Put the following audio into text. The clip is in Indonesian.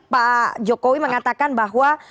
pak jokowi mengatakan bahwa